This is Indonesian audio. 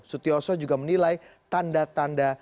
sutioso juga menilai tanda tanda